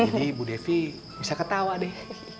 jadi bu devi bisa ketawa deh